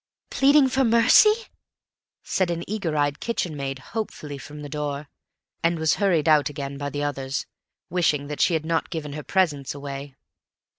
"Pleading for mercy," said an eager eyed kitchen maid hopefully from the door, and was hurried out again by the others, wishing that she had not given her presence away.